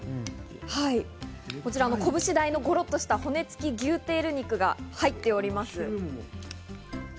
こちらはこぶし大のごろっとした牛テール肉が入っております。